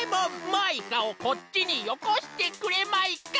マイカをこっちによこしてくれマイカ！